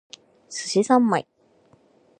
寿司ざんまい